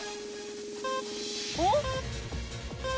おっ？